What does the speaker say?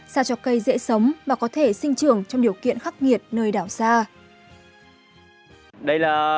sao cho cây dễ sống và có thể sinh trường trong điều kiện khắc nghiệt nơi đảo xa